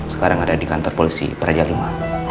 sekarang ada di kantor polisi peraja lima